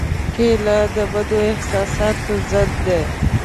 کېله د بدو احساساتو ضد ده.